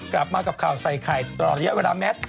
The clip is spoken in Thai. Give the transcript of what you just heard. กลับมากับข่าวใส่ไข่ตลอดเยอะกว่าดามแมท